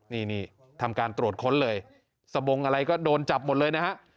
นี่ทำการตรวจค้นเลยสบงอะไรก็โดนจับหมดเลยนะฮะ